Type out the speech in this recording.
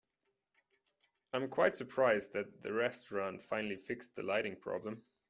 I am quite surprised that the restaurant finally fixed the lighting problem.